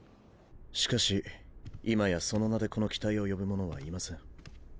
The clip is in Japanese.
しかし今やその名でこの機体を呼ぶ者はいません。